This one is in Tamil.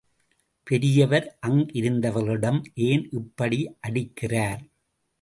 பெரியவர், அங்கிருந்தவர்களிடம் ஏன் இப்படி அடிக்கிறார்?